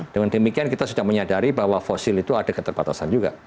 dengan demikian kita sudah menyadari bahwa fosil itu ada keterbatasan juga